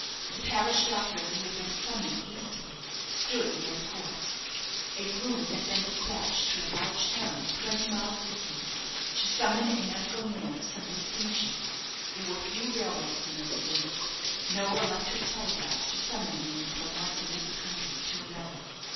The parish doctor, who had been summoned hastily, stood near the corpse. A groom had been despatched to a large town, twenty miles distant, to summon a medical man of some distinction. There were few railroads in those days; no electric telegraph to summon a man from one end of the country to another.